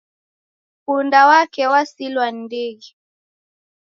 Punda wake wasilwa ni ndighi